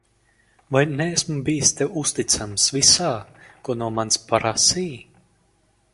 Vai neesmu bijis Tev uzticams visā, ko no manis prasīji?